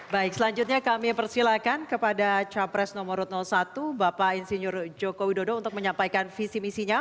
baik selanjutnya kami persilakan kepada capres nomor satu bapak insinyur joko widodo untuk menyampaikan visi misinya